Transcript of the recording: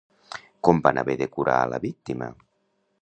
Com van haver de curar a la víctima?